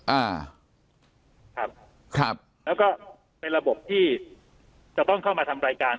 อ่าครับครับแล้วก็ในระบบที่จะต้องเข้ามาทำรายการ